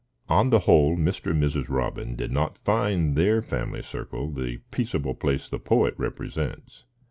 On the whole Mr. and Mrs. Robin did not find their family circle the peaceable place the poet represents.